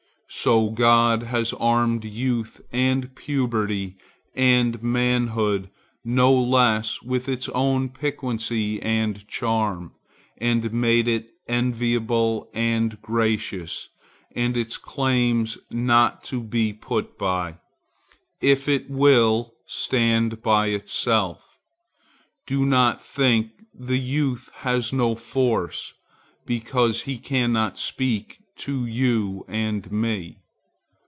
So God has armed youth and puberty and manhood no less with its own piquancy and charm, and made it enviable and gracious and its claims not to be put by, if it will stand by itself. Do not think the youth has no force, because he cannot speak to you and me.